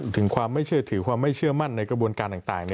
ถึงความไม่เชื่อถือความไม่เชื่อมั่นในกระบวนการต่าง